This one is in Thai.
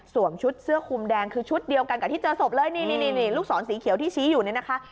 ชุดเสื้อคุมแดงคือชุดเดียวกันกับที่เจอศพเลยนี่นี่ลูกศรสีเขียวที่ชี้อยู่นี่นะคะ